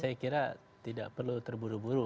saya kira tidak perlu terburu buru